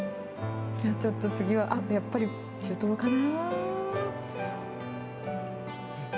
ちょっと次は、やっぱり中トロかな。